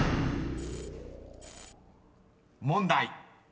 ［問題］